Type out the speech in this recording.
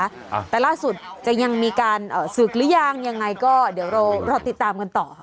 อ่าแต่ล่าสุดจะยังมีการเอ่อศึกหรือยังยังไงก็เดี๋ยวเรารอติดตามกันต่อค่ะ